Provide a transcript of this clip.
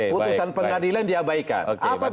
putusan peradilan diabaikan